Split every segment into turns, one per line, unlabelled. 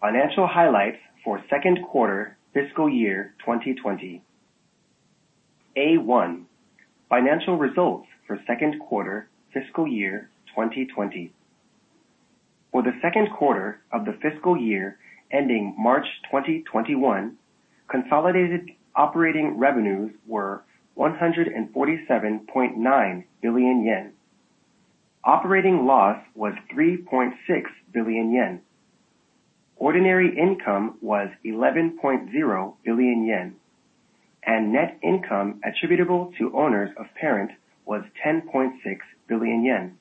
Financial highlights for second quarter fiscal year 2020. A.1, financial results for second quarter fiscal year 2020. For the second quarter of the fiscal year ending March 2021, consolidated operating revenues were 147.9 billion yen. Operating loss was 3.6 billion yen. Ordinary income was 11.0 billion yen, and net income attributable to owners of parent was 10.6 billion yen.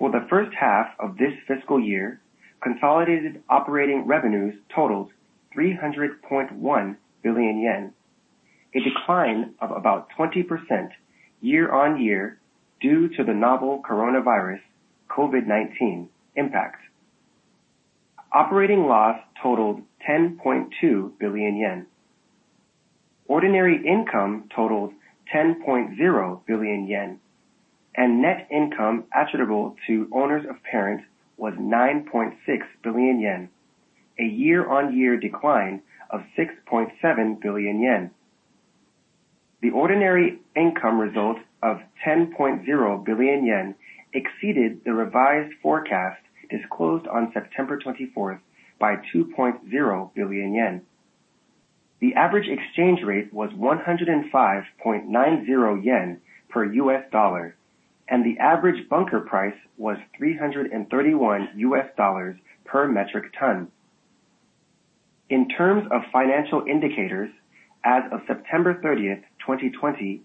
For the first half of this fiscal year, consolidated operating revenues totaled 300.1 billion yen, a decline of about 20% year-on-year due to the novel coronavirus, COVID-19 impacts. Operating loss totaled 10.2 billion yen. Ordinary income totaled 10.0 billion yen, and net income attributable to owners of parent was 9.6 billion yen, a year-on-year decline of 6.7 billion yen. The ordinary income result of 10.0 billion yen exceeded the revised forecast disclosed on September 24th by 2.0 billion yen. The average exchange rate was 105.90 yen per US dollar, and the average bunker price was $331 per metric ton. In terms of financial indicators, as of September 30th, 2020,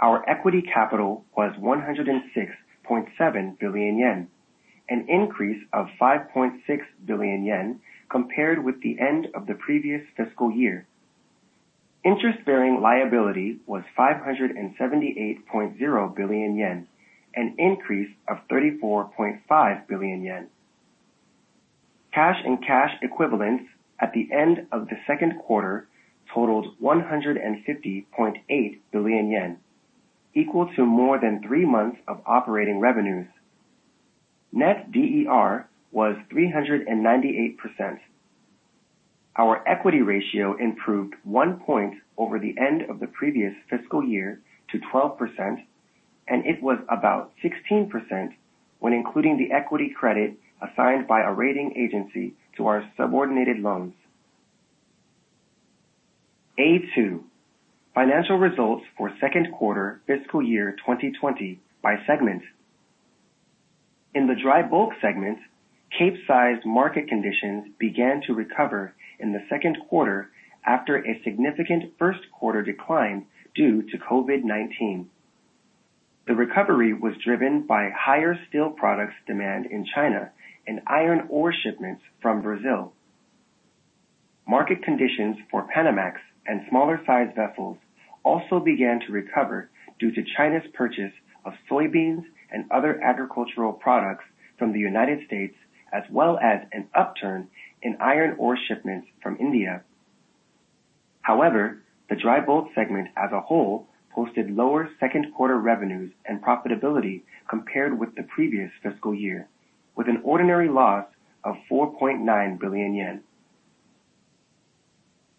our equity capital was 106.7 billion yen, an increase of 5.6 billion yen compared with the end of the previous fiscal year. Interest-bearing liability was 578.0 billion yen, an increase of 34.5 billion yen. Cash and cash equivalents at the end of the second quarter totaled 150.8 billion yen, equal to more than three months of operating revenues. Net DER was 398%. Our equity ratio improved one point over the end of the previous fiscal year to 12%, and it was about 16% when including the equity credit assigned by a rating agency to our subordinated loans. A.2, financial results for second quarter fiscal year 2020 by segment. In the dry bulk segment, Capesize market conditions began to recover in the second quarter after a significant first quarter decline due to COVID-19. The recovery was driven by higher steel products demand in China and iron ore shipments from Brazil. Market conditions for Panamax and smaller-sized vessels also began to recover due to China's purchase of soybeans and other agricultural products from the U.S., as well as an upturn in iron ore shipments from India. However, the dry bulk segment as a whole posted lower second-quarter revenues and profitability compared with the previous fiscal year, with an ordinary loss of 4.9 billion yen.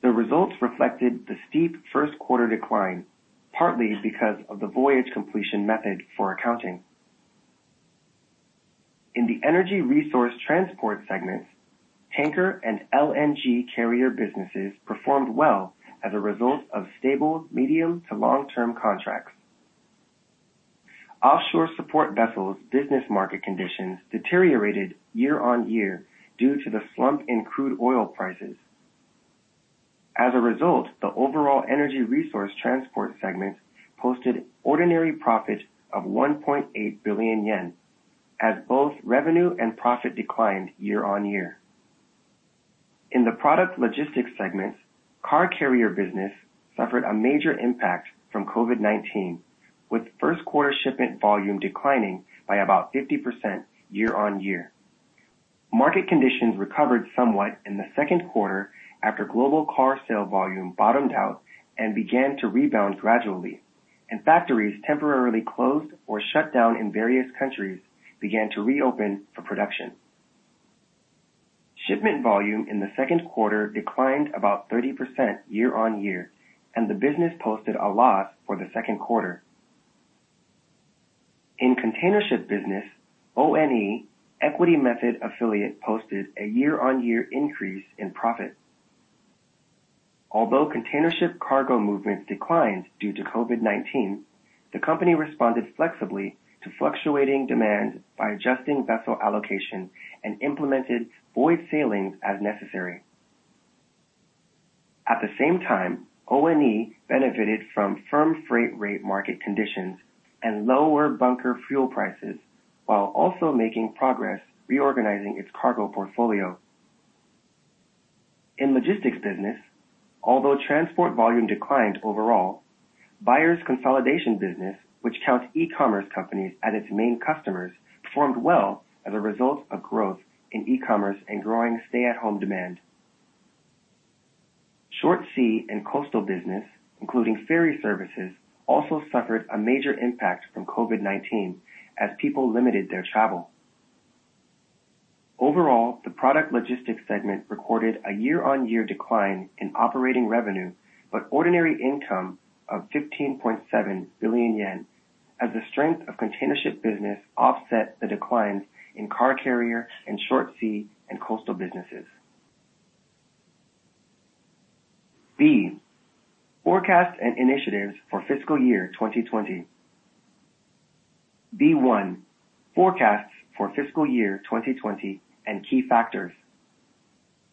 The results reflected the steep first quarter decline, partly because of the voyage completion method for accounting. In the energy resource transport segment, tanker and LNG carrier businesses performed well as a result of stable medium to long-term contracts. Offshore support vessels business market conditions deteriorated year-on-year due to the slump in crude oil prices. As a result, the overall energy resource transport segment posted ordinary profit of 1.8 billion yen, as both revenue and profit declined year-on-year. In the product logistics segment, car carrier business suffered a major impact from COVID-19, with first quarter shipment volume declining by about 50% year-on-year. Market conditions recovered somewhat in the second quarter after global car sale volume bottomed out and began to rebound gradually, and factories temporarily closed or shut down in various countries began to reopen for production. Shipment volume in the second quarter declined about 30% year-on-year, and the business posted a loss for the second quarter. In containership business, ONE, equity method affiliate, posted a year-on-year increase in profit. Although containership cargo movements declined due to COVID-19, the company responded flexibly to fluctuating demand by adjusting vessel allocation and implemented void sailings as necessary. At the same time, ONE benefited from firm freight rate market conditions and lower bunker fuel prices while also making progress reorganizing its cargo portfolio. In logistics business, although transport volume declined overall, buyer's consolidation business, which counts e-commerce companies as its main customers, performed well as a result of growth in e-commerce and growing stay-at-home demand. Short sea and coastal business, including ferry services, also suffered a major impact from COVID-19 as people limited their travel. Overall, the product logistics segment recorded a year-on-year decline in operating revenue, but ordinary income of 15.7 billion yen as the strength of the containership business offset the declines in car carrier and short sea and coastal businesses. B, forecasts and initiatives for fiscal year 2020. B1, forecasts for fiscal year 2020 and key factors.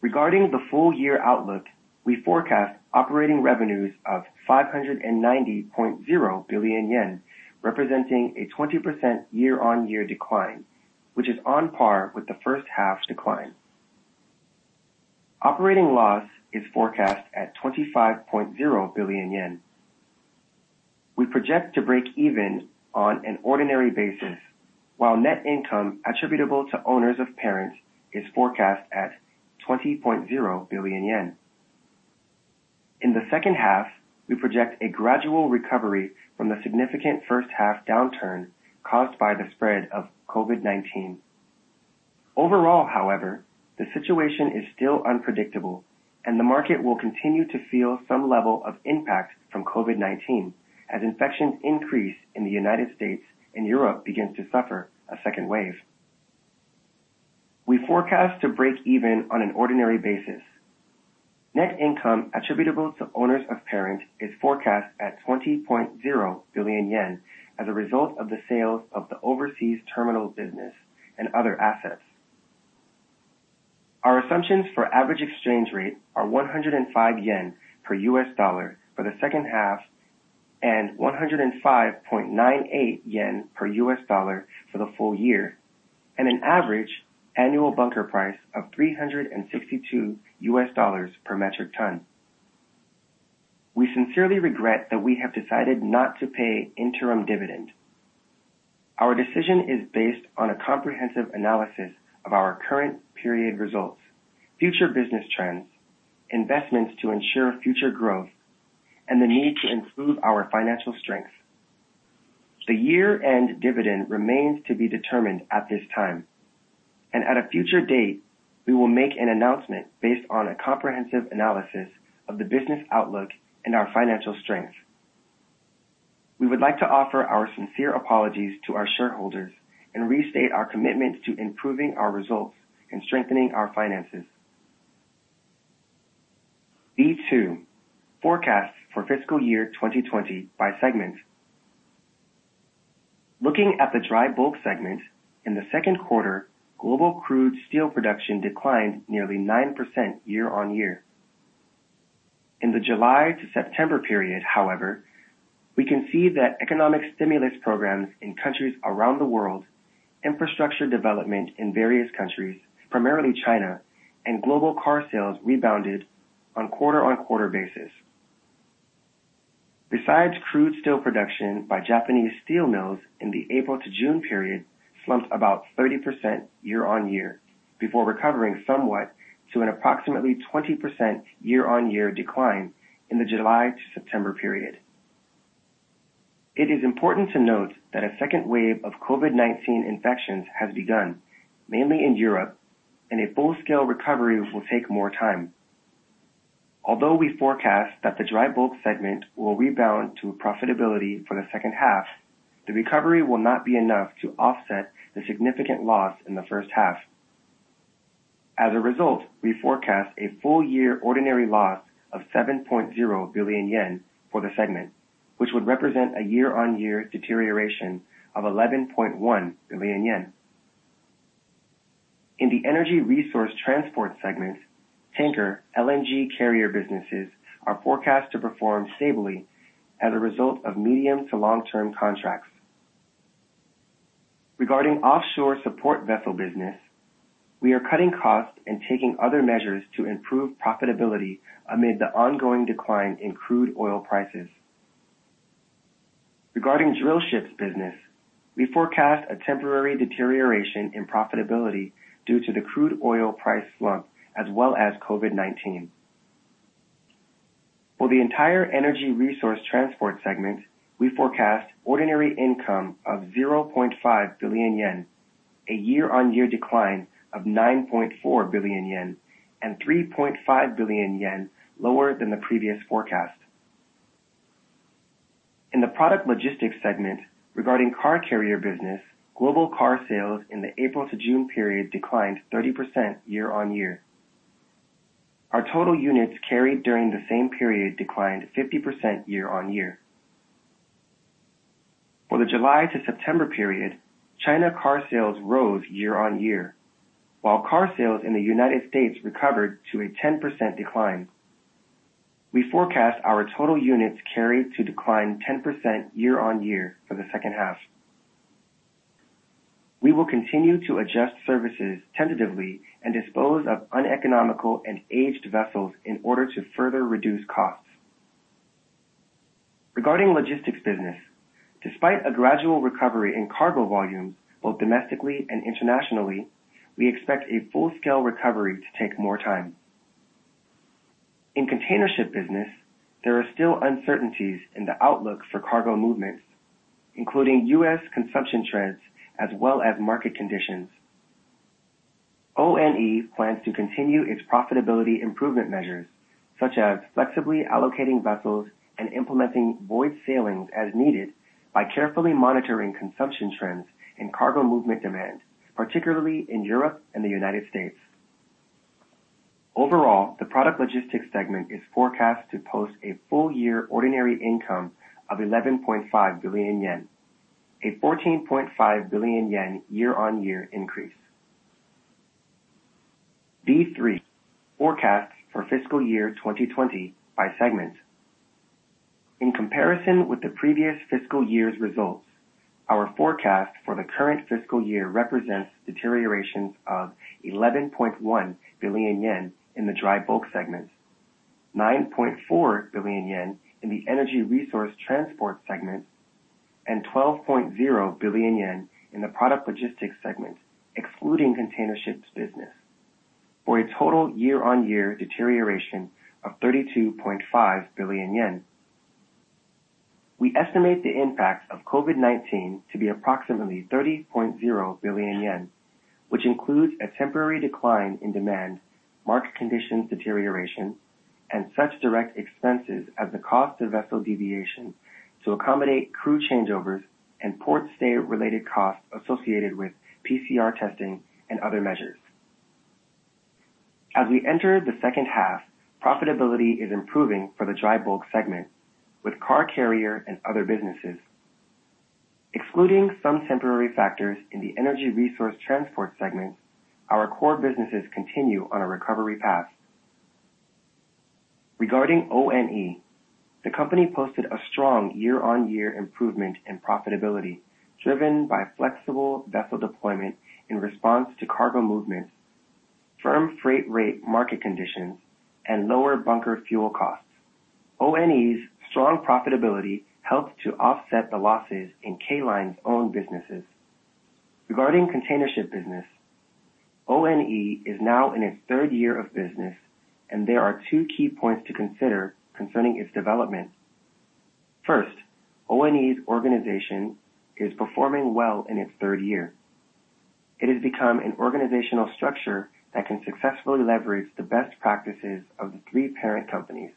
Regarding the full-year outlook, we forecast operating revenues of 590.0 billion yen, representing a 20% year-on-year decline, which is on par with the first-half decline. Operating loss is forecast at 25.0 billion yen. We project to break even on an ordinary basis, while net income attributable to owners of parent is forecast at 20.0 billion yen. In the second-half, we project a gradual recovery from the significant first-half downturn caused by the spread of COVID-19. Overall, however, the situation is still unpredictable, and the market will continue to feel some level of impact from COVID-19 as infections increase in the United States and Europe begins to suffer a second wave. We forecast to break even on an ordinary basis. Net income attributable to owners of parent is forecast at 20.0 billion yen as a result of the sale of the overseas terminal business and other assets. Our assumptions for average exchange rate are 105 yen per U.S. dollar for the second half and 105.98 yen per U.S. dollar for the full year, and an average annual bunker price of $362 per metric ton. We sincerely regret that we have decided not to pay interim dividend. Our decision is based on a comprehensive analysis of our current period results, future business trends, investments to ensure future growth, and the need to improve our financial strength. The year-end dividend remains to be determined at this time, and at a future date, we will make an announcement based on a comprehensive analysis of the business outlook and our financial strength. We would like to offer our sincere apologies to our shareholders and restate our commitment to improving our results and strengthening our finances. B2, forecasts for fiscal year 2020 by segment. Looking at the dry bulk segment, in the second quarter, global crude steel production declined nearly 9% year-on-year. In the July to September period, however, we can see that economic stimulus programs in countries around the world, infrastructure development in various countries, primarily China, and global car sales rebounded on quarter-on-quarter basis. Besides, crude steel production by Japanese steel mills in the April to June period slumped about 30% year-on-year before recovering somewhat to an approximately 20% year-on-year decline in the July to September period. It is important to note that a second wave of COVID-19 infections has begun, mainly in Europe, and a full-scale recovery will take more time. Although we forecast that the dry bulk segment will rebound to profitability for the second half, the recovery will not be enough to offset the significant loss in the first half. As a result, we forecast a full-year ordinary loss of 7.0 billion yen for the segment, which would represent a year-on-year deterioration of 11.1 billion yen. In the energy resource transport segment, tanker LNG carrier businesses are forecast to perform stably as a result of medium to long-term contracts. Regarding offshore support vessel business, we are cutting costs and taking other measures to improve profitability amid the ongoing decline in crude oil prices. Regarding drill ships business, we forecast a temporary deterioration in profitability due to the crude oil price slump as well as COVID-19. For the entire energy resource transport segment, we forecast ordinary income of 0.5 billion yen, a year-on-year decline of 9.4 billion yen and 3.5 billion yen lower than the previous forecast. In the product logistics segment, regarding car carrier business, global car sales in the April to June period declined 30% year-on-year. Our total units carried during the same period declined 50% year-on-year. For the July to September period, China car sales rose year-on-year, while car sales in the United States recovered to a 10% decline. We forecast our total units carried to decline 10% year-on-year for the second half. We will continue to adjust services tentatively and dispose of uneconomical and aged vessels in order to further reduce costs. Regarding logistics business, despite a gradual recovery in cargo volumes both domestically and internationally, we expect a full-scale recovery to take more time. In containership business, there are still uncertainties in the outlook for cargo movements, including U.S. consumption trends as well as market conditions. ONE plans to continue its profitability improvement measures, such as flexibly allocating vessels and implementing void sailings as needed by carefully monitoring consumption trends in cargo movement demand, particularly in Europe and the United States. Overall, the product logistics segment is forecast to post a full year ordinary income of 11.5 billion yen, a 14.5 billion yen year-on-year increase. B3. Forecast for fiscal year 2020 by segment. In comparison with the previous fiscal year's results, our forecast for the current fiscal year represents deteriorations of 11.1 billion yen in the dry bulk segment, 9.4 billion yen in the energy resource transport segment, and 12.0 billion yen in the product logistics segment, excluding containership business, for a total year-on-year deterioration of 32.5 billion yen. We estimate the impact of COVID-19 to be approximately 30.0 billion yen, which includes a temporary decline in demand, market conditions deterioration, and such direct expenses as the cost of vessel deviation to accommodate crew changeovers and port stay-related costs associated with PCR testing and other measures. As we enter the second half, profitability is improving for the dry bulk segment with car carrier and other businesses. Excluding some temporary factors in the energy resource transport segment, our core businesses continue on a recovery path. Regarding ONE, the company posted a strong year-on-year improvement in profitability, driven by flexible vessel deployment in response to cargo movement, firm freight rate market conditions, and lower bunker fuel costs. ONE's strong profitability helped to offset the losses in K Line's own businesses. Regarding containership business, ONE is now in its third year of business, and there are two key points to consider concerning its development. First, ONE's organization is performing well in its third year. It has become an organizational structure that can successfully leverage the best practices of the three parent companies,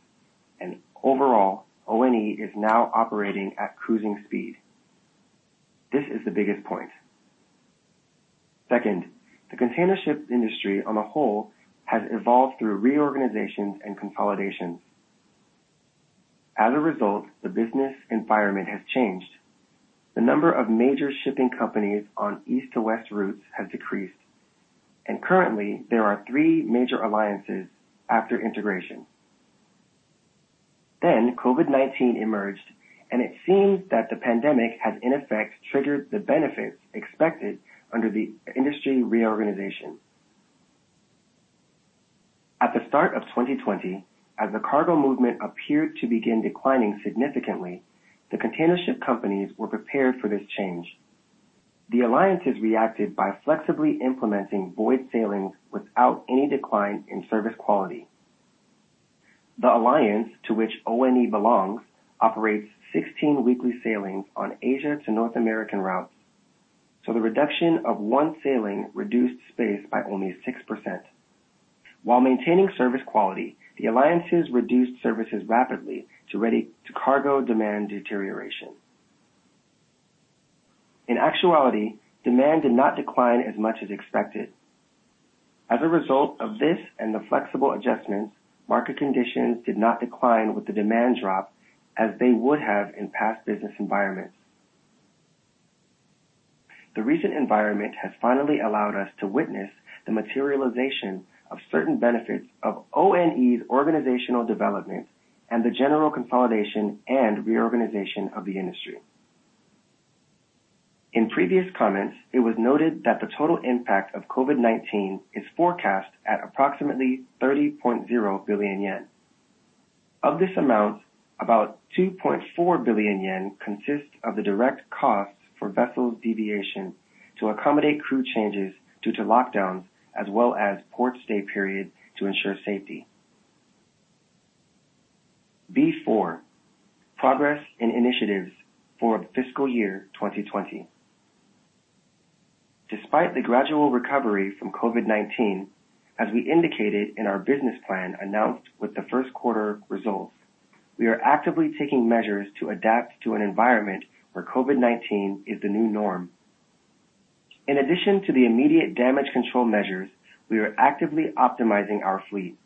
and overall, ONE is now operating at cruising speed. This is the biggest point. Second, the containership industry on the whole has evolved through reorganizations and consolidations. As a result, the business environment has changed. The number of major shipping companies on east to west routes has decreased, and currently there are three major alliances after integration. COVID-19 emerged, and it seems that the pandemic has in effect triggered the benefits expected under the industry reorganization. At the start of 2020, as the cargo movement appeared to begin declining significantly, the containership companies were prepared for this change. The alliances reacted by flexibly implementing void sailings without any decline in service quality. The alliance, to which ONE belongs, operates 16 weekly sailings on Asia to North American routes, so the reduction of one sailing reduced space by only 6%. While maintaining service quality, the alliances reduced services rapidly to cargo demand deterioration. In actuality, demand did not decline as much as expected. As a result of this and the flexible adjustments, market conditions did not decline with the demand drop as they would have in past business environments. The recent environment has finally allowed us to witness the materialization of certain benefits of ONE's organizational development and the general consolidation and reorganization of the industry. In previous comments, it was noted that the total impact of COVID-19 is forecast at approximately 30.0 billion yen. Of this amount, about 2.4 billion yen consists of the direct costs for vessels deviation to accommodate crew changes due to lockdowns, as well as port stay period to ensure safety. B4. Progress and initiatives for fiscal year 2020. Despite the gradual recovery from COVID-19, as we indicated in our business plan announced with the first quarter results, we are actively taking measures to adapt to an environment where COVID-19 is the new norm. In addition to the immediate damage control measures, we are actively optimizing our fleet,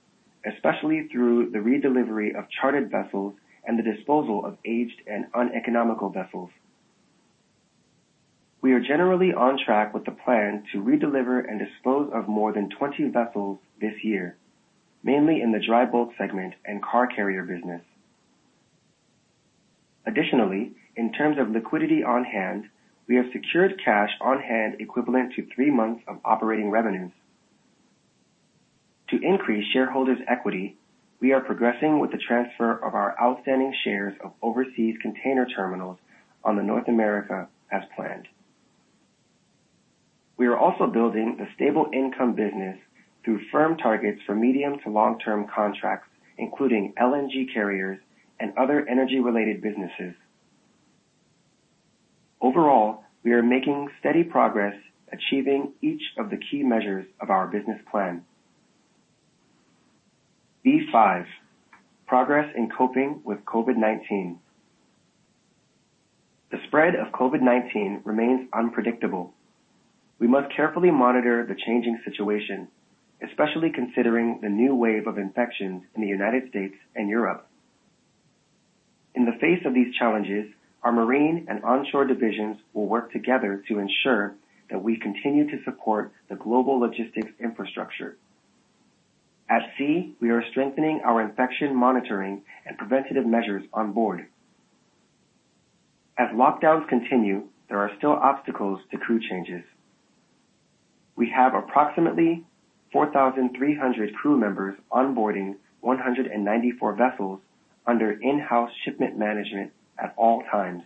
especially through the redelivery of chartered vessels and the disposal of aged and uneconomical vessels. We are generally on track with the plan to redeliver and dispose of more than 20 vessels this year, mainly in the dry bulk segment and car carrier business. Additionally, in terms of liquidity on hand, we have secured cash on hand equivalent to three months of operating revenues. To increase shareholders' equity, we are progressing with the transfer of our outstanding shares of overseas container terminals on the North America as planned. We are also building the stable income business through firm targets for medium to long-term contracts, including LNG carriers and other energy-related businesses. Overall, we are making steady progress achieving each of the key measures of our business plan. B5. Progress in coping with COVID-19. The spread of COVID-19 remains unpredictable. We must carefully monitor the changing situation, especially considering the new wave of infections in the United States and Europe. In the face of these challenges, our marine and onshore divisions will work together to ensure that we continue to support the global logistics infrastructure. At sea, we are strengthening our infection monitoring and preventative measures on board. As lockdowns continue, there are still obstacles to crew changes. We have approximately 4,300 crew members on board 194 vessels under in-house ship management at all times.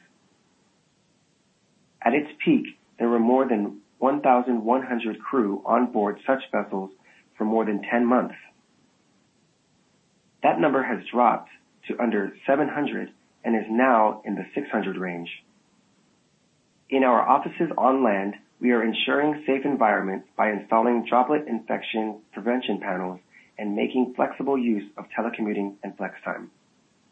At its peak, there were more than 1,100 crew on board such vessels for more than 10 months. That number has dropped to under 700 and is now in the 600 range. In our offices on land, we are ensuring safe environments by installing droplet infection prevention panels and making flexible use of telecommuting and flex time.